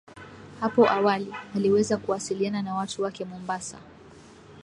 Hapo awali, aliweza kuwasiliana na watu wake Mombasa